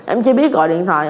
em chỉ biết gọi điện thoại